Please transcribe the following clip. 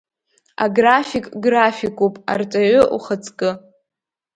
Аграфик графикуп, арҵаҩы ухаҵкы!